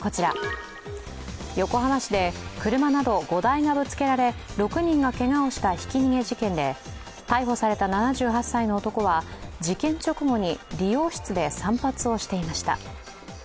横浜市で車など５台がぶつけられ、６人がけがをしたひき逃げ事件で、逮捕された７８歳の男は事件直後に理容室で散髪をしていました。